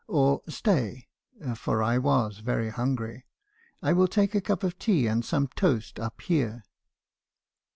Or stay (for I was very hungry) , I will take a cup of tea and some toast up here.'